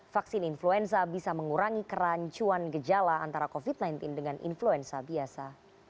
vaksin influenza bisa mengurangi kerancuan gejala antara covid sembilan belas dengan influenza biasa